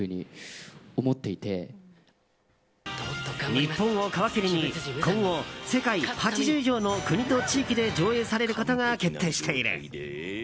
日本を皮切りに今後、世界８０以上の国と地域で上映されることが決定している。